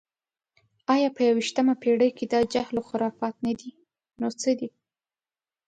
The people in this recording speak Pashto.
ایا په یویشتمه پېړۍ کې دا جهل و خرافات نه دي، نو څه دي؟